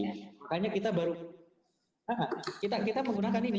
makanya kita baru kita menggunakan ini